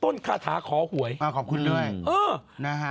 ต้นคาถาขอหวยเออขอบคุณด้วยนะฮะ